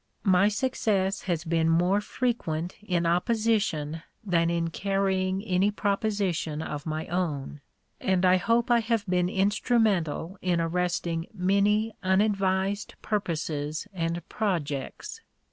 My success has been more frequent in opposition than in carrying any proposition of my own, and I hope I have been instrumental in arresting many unadvised purposes and projects.